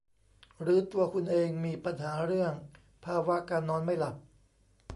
หรือตัวคุณเองมีปัญหาเรื่องภาวะการนอนไม่หลับ